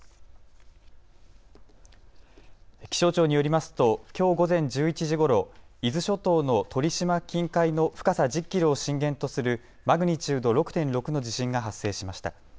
気象庁によりますときょう午前１１時ごろ、伊豆諸島の鳥島近海の深さ１０キロを震源とするマグニチュード６．６の地震が発生しました。